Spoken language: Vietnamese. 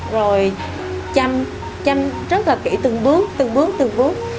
rồi chăm rất là kỹ từng bước từng bước từng phút